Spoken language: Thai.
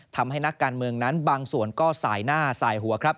ทำให้นักการเมืองนั้นบางส่วนก็สายหน้าสายหัว